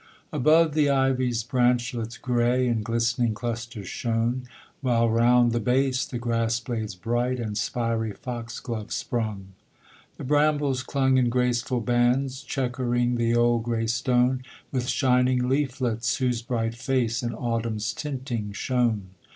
Above the ivies' branchlets gray In glistening clusters shone; While round the base the grass blades bright And spiry foxglove sprung. The brambles clung in graceful bands, Chequering the old gray stone With shining leaflets, whose bright face In autumn's tinting shone.